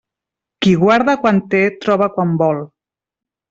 Qui guarda quan té, troba quan vol.